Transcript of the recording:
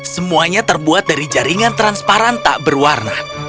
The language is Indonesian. semuanya terbuat dari jaringan transparan tak berwarna